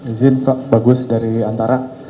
izin pak bagus dari antara